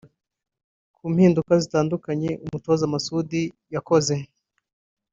Ku mpinduka zitandukanye umutoza Masudi yakoze